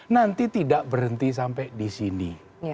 nanti tidak berhenti sampai disini